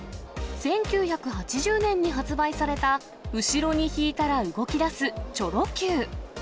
１９８０年に発売された、後ろに引いたら動きだすチョロＱ。